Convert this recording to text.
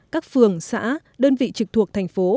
các phường xã đơn vị trực thuộc thành phố